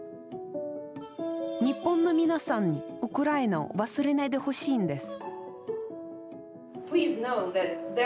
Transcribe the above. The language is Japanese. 日本の皆さんに、ウクライナを忘れないでほしいんです。